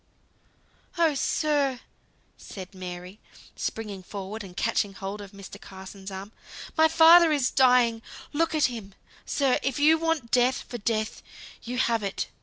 "Oh, sir!" said Mary, springing forward, and catching hold of Mr. Carson's arm, "my father is dying. Look at him, sir. If you want Death for Death, you have it.